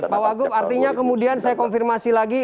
pak wagub artinya kemudian saya konfirmasi lagi